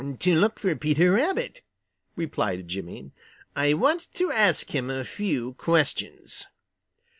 "To look for Peter Rabbit," replied Jimmy. "I want to ask him a few questions."